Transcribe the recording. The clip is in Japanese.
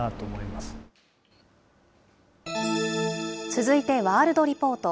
続いてワールドリポート。